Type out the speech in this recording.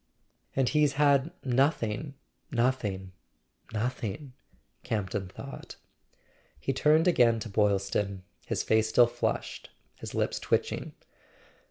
"And he's had nothing—nothing—nothing !" Camp ton thought. He turned again to Boylston, his face still flushed, his lips twitching.